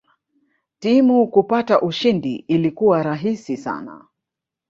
Timu kupata ushindi ilikuwa rahisi sana